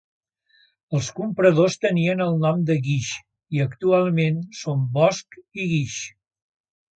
Els compradors tenien el nom de Guix i actualment són Bosch i Guix.